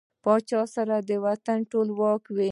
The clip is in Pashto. پاچا سره د وطن ټول واک وي .